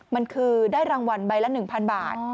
มันคือได้รางวัลใบละ๑๐๐บาท